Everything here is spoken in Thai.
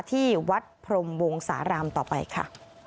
ที่วัดพรมวงสารามต่อไปค่ะ